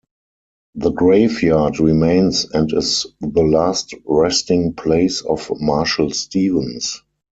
The graveyard remains and is the last resting place of Marshall Stevens.